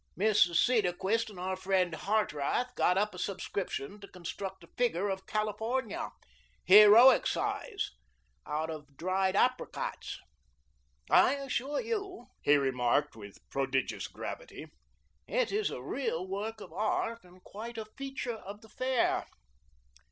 Mrs. Cedarquist and our friend Hartrath 'got up a subscription' to construct a figure of California heroic size out of dried apricots. I assure you," he remarked With prodigious gravity, "it is a real work of art and quite a 'feature' of the Fair.